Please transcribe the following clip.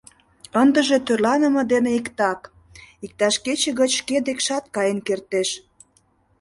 — Ындыже тӧрланыме дене иктак, иктаж кече гыч шке декшат каен кертеш.